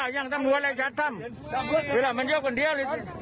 เฮ้ยไม่ได้แล้ว